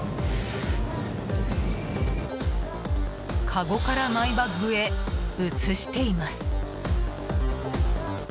かごからマイバッグへ移しています。